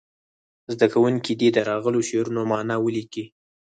زده کوونکي دې د راغلو شعرونو معنا ولیکي.